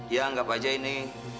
ya anggap aja ini